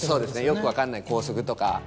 よく分かんない校則とか。